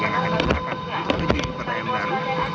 yang akan digunakan untuk menuju ibu kota yang baru